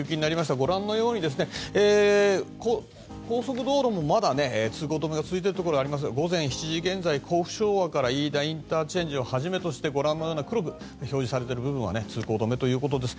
ご覧のように、高速道路もまだ通行止めが続いているところがありますが午前７時現在、甲府昭和から飯田ＩＣをはじめとしてご覧のような黒く表示されている部分は通行止めということです。